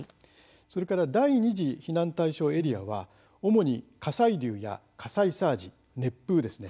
それから第２次避難対象エリアは主に火砕流や火砕サージ＝熱風ですね。